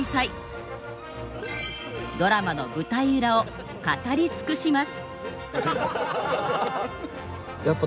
ドラマの舞台裏を語り尽くします。